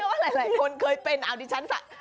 เชื่อ่ว่าหลายคนเคยเป็นอะดิฉันซะ